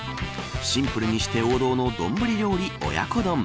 シンプルにして王道のどんぶり料理、親子丼。